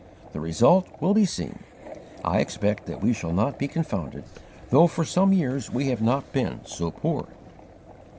The result will be seen. I expect that we shall not be confounded, though for some years we have not been so poor."